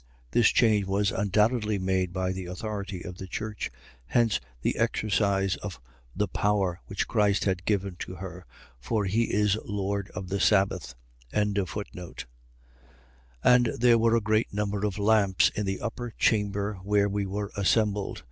This change was undoubtedly made by the authority of the church; hence the exercise of the power, which Christ had given to her: for he is Lord of the sabbath. 20:8. And there were a great number of lamps in the upper chamber where we were assembled.